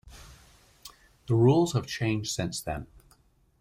The rules have changed since then.